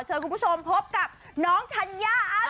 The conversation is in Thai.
ขอเชิญคุณผู้ชมพบกับน้องธัญญาอาสยาจ้า